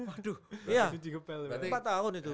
aduh empat tahun itu